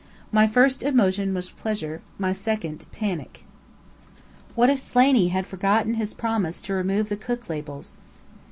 My first emotion was pleasure; my second, panic. What if Slaney had forgotten his promise to remove the Cook labels?